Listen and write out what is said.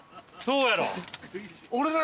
そうやろ？